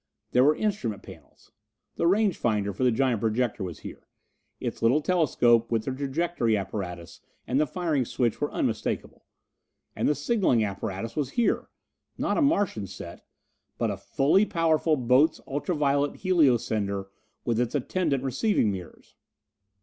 There were instrument panels. The range finder for the giant projector was here; its little telescope with the trajectory apparatus and the firing switch were unmistakable. And the signalling apparatus was here! Not a Martian set, but a fully powerful Botz ultra violet helio sender with its attendant receiving mirrors.